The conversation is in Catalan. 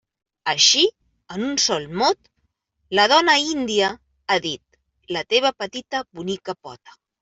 Així, en un sol mot, la dona índia ha dit: la teva petita bonica pota.